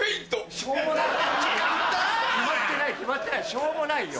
しょうもないよ。